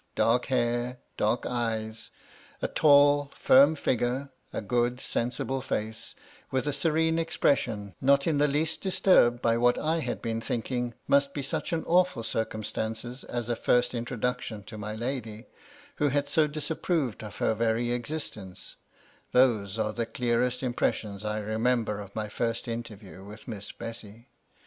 Dark hair, dark eyes, a tall, firm figure, a good, senedble face, with a serene expression, not in the least disturbed by what I had been thinking must be such awfiil circumstances as a first introduction to my lady, who had so dissapproved of her very exist ence : those are the clearest impressions I remember of my first interview with Miss Bessy.